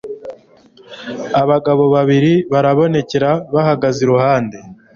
abagabo babiri barababonekera bahagaze iruhande